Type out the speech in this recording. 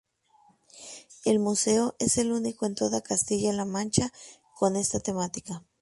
El Museo, es el único en toda Castilla-La Mancha con esta temática.